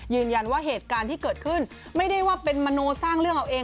เหตุการณ์ที่เกิดขึ้นไม่ได้ว่าเป็นมโนสร้างเรื่องเอาเอง